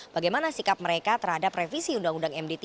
bagaimana sikap mereka terhadap revisi undang undang md tiga